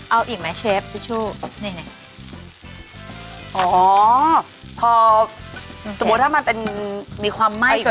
เอาอีกไหมเชฟทิชชู่นี่อ๋อพอสมมุติถ้ามันเป็นมีความไหม้